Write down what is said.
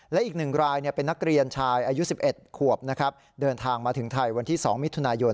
และอีก๑รายเป็นนักเรียนชายอายุ๑๑ขวบนะครับเดินทางมาถึงไทยวันที่๒มิถุนายน